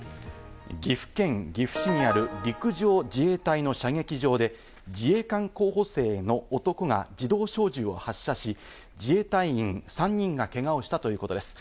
岐阜県岐阜市にある陸上自衛隊の射撃場で自衛官候補生の男が自動小銃を発射し、自衛隊員３人がけがをしたということです。